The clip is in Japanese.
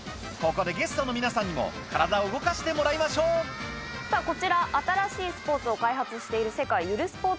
ここでゲストの皆さんにも体を動かしてもらいましょうさぁこちら新しいスポーツを開発している。